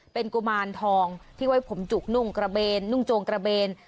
เป็นกุมารทองที่ไว้ผมจุกนุ่งโจงกระเบน